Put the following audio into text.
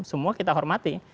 semua kita hormati